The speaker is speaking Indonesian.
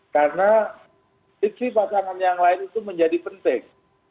karena fiksi pasangan yang lain itu menjadi penting